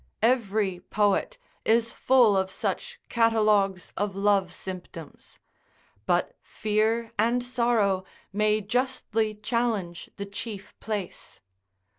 Every poet is full of such catalogues of love symptoms; but fear and sorrow may justly challenge the chief place.